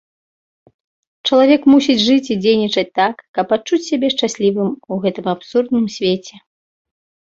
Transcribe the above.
Чалавек мусіць жыць і дзейнічаць так, каб адчуць сябе шчаслівым у гэтым абсурдным свеце.